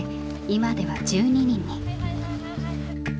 今では１２人に。